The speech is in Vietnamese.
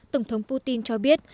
tổng thống putin cho biết